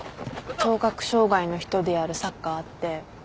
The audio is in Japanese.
聴覚障がいの人でやるサッカーあって。